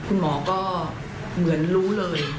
คุณหมอก็เหมือนรู้เลย